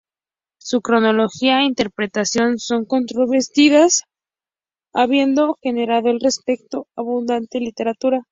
Su cronología e interpretación son controvertidas, habiendo generado al respecto abundante literatura.